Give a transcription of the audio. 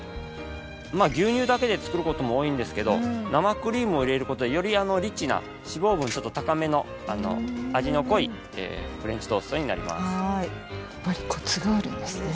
牛乳だけで作る事も多いんですけど生クリームを入れる事でよりリッチな脂肪分ちょっと高めの味の濃いフレンチトーストになります。ですね。